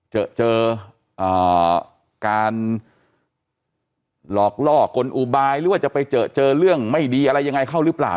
เจอเจอการหลอกล่อกลอุบายหรือว่าจะไปเจอเจอเรื่องไม่ดีอะไรยังไงเข้าหรือเปล่า